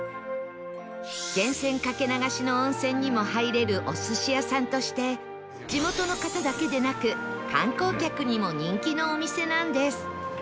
源泉かけ流しの温泉にも入れるお寿司屋さんとして地元の方だけでなく観光客にも人気のお店なんです